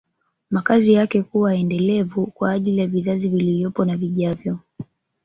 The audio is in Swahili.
Makazi yake kuwa endelevu kwa ajili ya vizazi vilivyopo na vijavyo